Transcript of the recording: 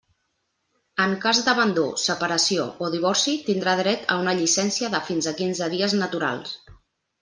En cas d'abandó, separació o divorci, tindrà dret a una llicència de fins a quinze dies naturals.